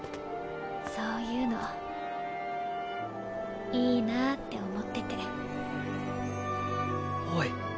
そういうのいいなって思ってて。